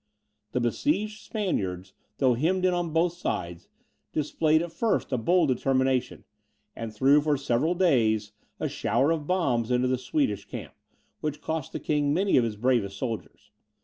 The besieged Spaniards, though hemmed in on both sides, displayed at first a bold determination, and threw, for several days, a shower of bombs into the Swedish camp, which cost the king many of his bravest soldiers.